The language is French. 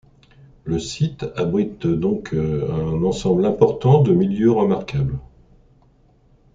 Le site abrite donc un ensemble important de milieux remarquables.